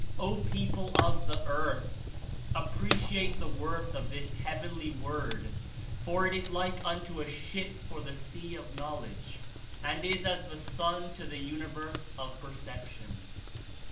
O people of the earth: appreciate the worth of this Heavenly Word, for it is like unto a ship for the sea of Knowledge, and is as the sun to the universe of Perception."